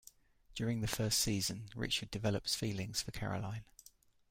During the first season, Richard develops feelings for Caroline.